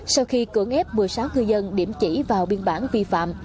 sau khi cưỡng ép một mươi sáu cư dân điểm chỉ vào biên bản vi phạm